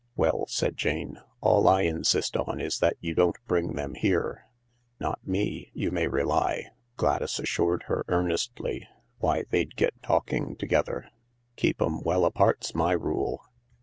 "Well," said Jane, "all I insist on is that you don't bring them here." " Not me, you may rely," Gladys assured her earnestly. " Why, they'd get talking together ! Keep 'em well apart 's my rule."